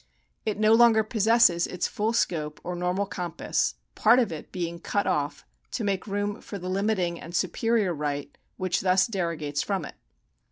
It no longer possesses its full scope or normal compass, part of it being cut off to make room for the limiting and suj^erior right which thus derogates from it.